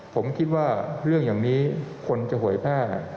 ผมคิดว่าเรื่องอย่างนี้คนจะหวยแพร่